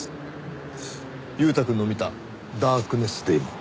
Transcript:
裕太くんの見たダークネスデーモン。